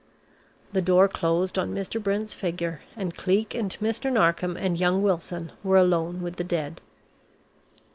The door closed on Mr. Brent's figure, and Cleek and Mr. Narkom and young Wilson were alone with the dead.